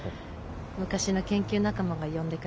昔の研究仲間が呼んでくれて。